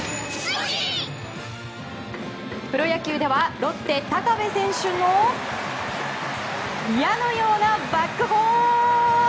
プロ野球ではロッテ、高部選手の矢のようなバックホーム！